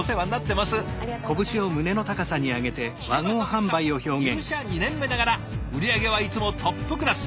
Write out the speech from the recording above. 聞けば野口さん入社２年目ながら売り上げはいつもトップクラス。